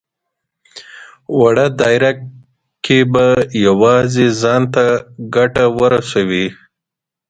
وړه دايره کې به يوازې ځان ته ګټه ورسوي.